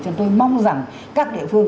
cho tôi mong rằng các địa phương